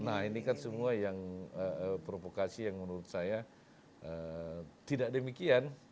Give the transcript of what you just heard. nah ini kan semua yang provokasi yang menurut saya tidak demikian